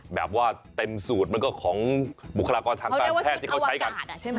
แบบว่าเต็มสูตรมันก็ของบุคลากรทางการแพทย์ที่เขาใช้กัน